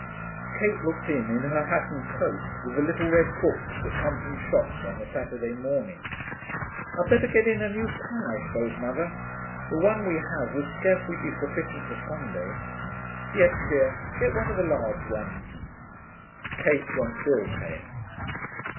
Kate looked in in her hat and coat, with the little red books that come from shops on a Saturday morning. 'I'd better get in a new tongue, I suppose, mother. The one we have will scarcely be sufficient for Sunday.' 'Yes, dear. Get one of the large ones.' Kate went bill paying.